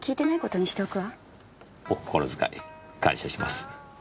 お心遣い感謝します。